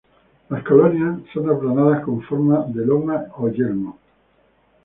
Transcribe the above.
Las colonias son aplanadas, con forma de loma o yelmo.